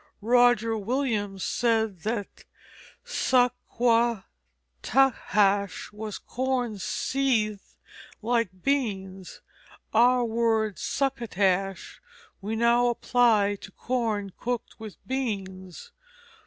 Roger Williams said that sukquttahhash was "corn seethed like beans." Our word "succotash" we now apply to corn cooked with beans.